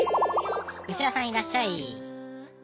「ウシ澤さんいらっしゃい！」。